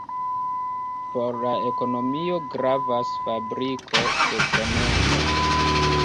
Por la ekonomio gravas fabriko de cemento.